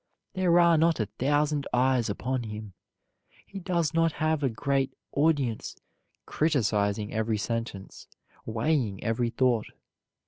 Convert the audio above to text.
There are not a thousand eyes upon him. He does not have a great audience criticizing every sentence, weighing every thought.